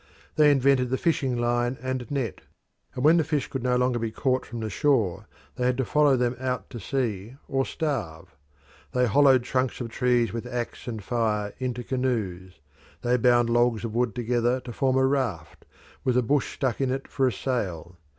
They invented the fishing line and net, and when the fish could no longer be caught from the shore they had to follow them out to sea or starve. They hollowed trunks of trees with axe and fire into canoes; they bound logs of wood together to form a raft, with a bush stuck in it for a sail.